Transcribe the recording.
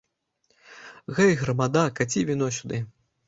Гэй, грамада, каці віно сюды.